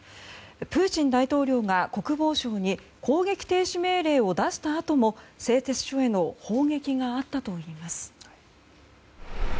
プーチン大統領が国防相に攻撃停止命令を出したあとも製鉄所への砲撃があったといいます。